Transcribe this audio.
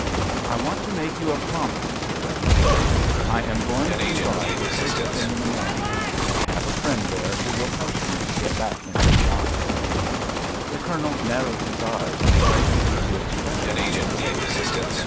"I want to make you a promise, sir," he said. "I am going to Ryde the first thing in the morning. I have a friend there who will help me to get back into the army." The Colonel narrowed his eyes and tried to read the expression on his face.